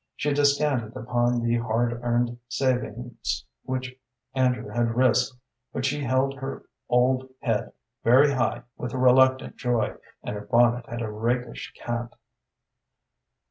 She descanted upon the hard earned savings which Andrew had risked, but she held her old head very high with reluctant joy, and her bonnet had a rakish cant.